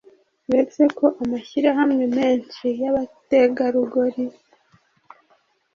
uretse ko amashyirahamwe menshi y’abategarugori,